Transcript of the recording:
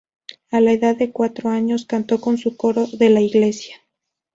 A la edad de cuatro años, cantó con su coro de la iglesia.